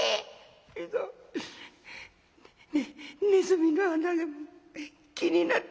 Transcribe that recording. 「けどねねずみの穴が気になって」。